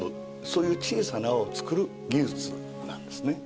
そういう小さな泡を作る技術なんですね。